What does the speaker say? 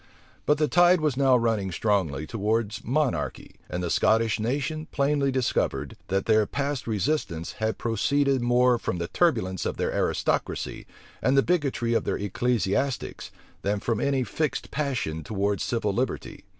But the tide was now running strongly towards monarchy; and the Scottish nation plainly discovered, that their past resistance had proceeded more from the turbulence of their aristocracy, and the bigotry of their ecclesiastics, than from any fixed passion towards civil liberty.